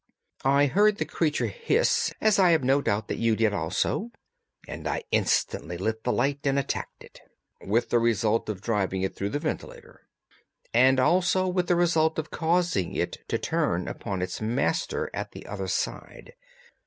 I heard the creature hiss as I have no doubt that you did also, and I instantly lit the light and attacked it." "With the result of driving it through the ventilator." "And also with the result of causing it to turn upon its master at the other side.